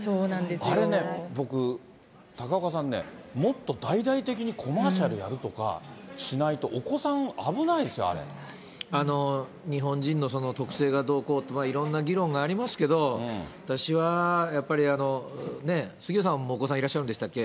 あれね、僕、高岡さんね、もっと大々的にコマーシャルやるとかしないと、お子さん、日本人の特性がどうこうとか、いろんな議論がありますけど、私はやっぱり、ね、杉上さんもお子さんいらっしゃるんですっけ。